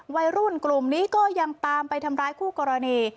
วัยรุ่นกลุ่มนี้ก็ยังตามไปทำร้ายคู่กรณี